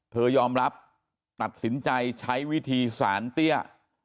ยอมรับตัดสินใจใช้วิธีสารเตี้ย